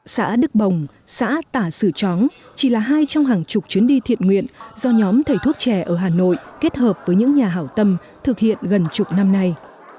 xã đức bồng xã tả sử tróng chỉ là hai trong hàng chục chuyến đi thiện nguyện do nhóm thầy thuốc trẻ ở hà nội kết hợp với những nhà hảo tâm thực hiện gần chục năm nay